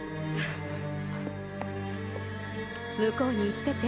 向こうに行ってて。